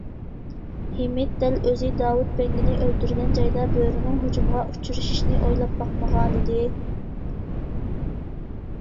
ھىمىت دەل ئۆزى داۋۇت بەڭگىنى ئۆلتۈرگەن جايدا بۆرىنىڭ ھۇجۇمىغا ئۇچرىشىشىنى ئويلاپ باقمىغانىدى.